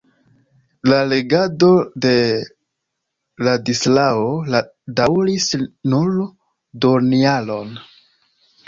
La regado de Ladislao daŭris nur duonjaron.